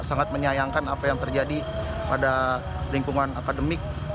sangat menyayangkan apa yang terjadi pada lingkungan akademik